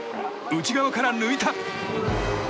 内側から抜いた！